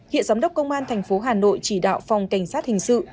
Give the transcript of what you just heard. hiện giám đốc công an thành phố hà nội chỉ đạo phòng cảnh sát hình sự